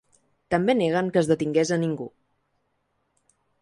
També neguen que es detingués a ningú.